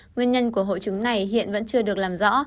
nguyên nhân của hội chứng này hiện vẫn chưa được làm rõ